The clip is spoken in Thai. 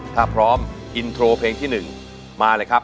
ถ้าพร้อมอินโทรเพลงที่๑มาเลยครับ